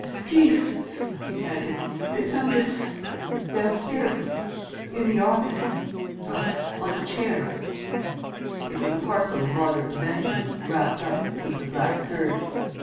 "Chief," he panted, "they've found this ... downstairs ... in the office ... on a chair. ..." It was a parcel of moderate dimensions, wrapped up in a piece of black serge.